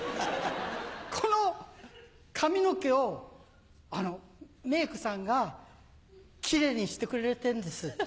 この髪の毛をメイクさんが奇麗にしてくれてんです。